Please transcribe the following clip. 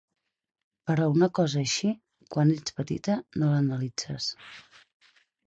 Però una cosa així, quan ets petita no l’analitzes.